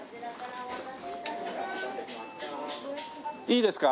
いいですか？